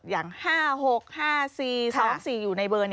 อย่าง๕๖๕๔๒๔อยู่ในเบอร์